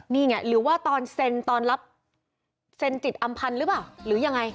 นี่ไงหรือว่าตอนเซ็นตอนรับเซ็นจิตอำพันธ์หรือเปล่าหรือยังไง